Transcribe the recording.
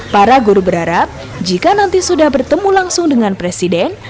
para guru berharap jika nanti sudah bertemu langsung dengan presiden